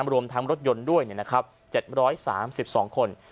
รวมทั้งรถยนต์ด้วย๗๓๒คน